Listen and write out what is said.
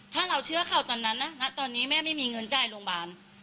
ถ้าเราเชื่อเขาตอนนั้นนะณตอนนี้แม่ไม่มีเงินจ่ายโรงพยาบาล